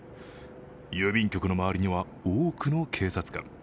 郵便局の周りには多くの警察官。